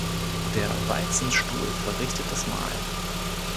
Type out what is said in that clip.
Der Walzenstuhl verrichtet das Mahlen.